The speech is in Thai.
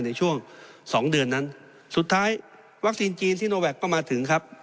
ในช่วงสองเดือนนั้นสุดท้ายวัคซีนจีนซิโนแวคก็มาถึงครับ